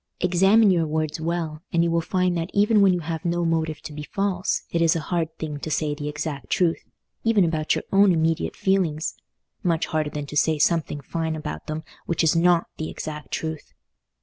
Examine your words well, and you will find that even when you have no motive to be false, it is a very hard thing to say the exact truth, even about your own immediate feelings—much harder than to say something fine about them which is not the exact truth.